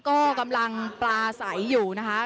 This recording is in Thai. ก็กำลังปลาใสอยู่นะคะ